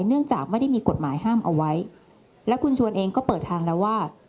เนื่องจากไม่ได้มีกฎหมายห้ามเอาไว้และคุณชวนเองก็เปิดทางแล้วว่า